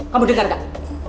kamu dengar gak